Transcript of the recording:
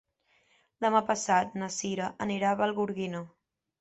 Demà passat na Sira anirà a Vallgorguina.